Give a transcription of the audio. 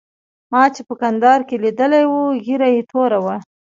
ما چې په کندهار کې لیدلی وو ږیره یې توره وه.